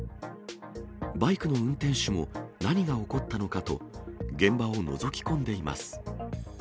バイクの運転手も何が起こったのかと、現場をのぞき込んでいます。